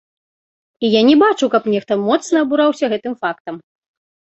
І я не бачыў, каб нехта моцна абураўся гэтым фактам!